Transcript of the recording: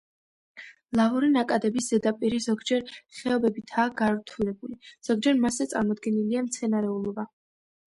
ლავური ნაკადების ზედაპირი ზოგჯერ ხეობებითაა გართულებული, ზოგჯერ მასზე წარმოდგენილია მცენარეულობა.